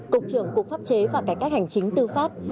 cục trưởng cục pháp chế và cải cách hành chính tư pháp